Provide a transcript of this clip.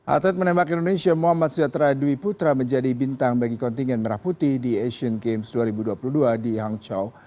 atlet menembak indonesia muhammad sujatra dwi putra menjadi bintang bagi kontingen merah putih di asian games dua ribu dua puluh dua di hangzhou